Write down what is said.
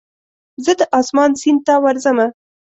زه د اسمان سیند ته ورځمه